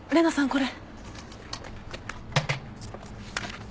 これ。